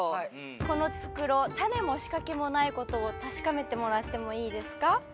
この袋タネも仕掛けもないことを確かめてもらってもいいですか？